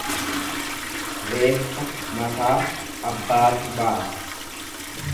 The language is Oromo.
Reeffa mataa abbaatu baata.